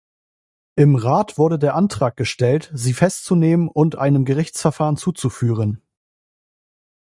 Im Rat wurde der Antrag gestellt, sie festzunehmen und einem Gerichtsverfahren zuzuführen.